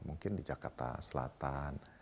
mungkin di jakarta selatan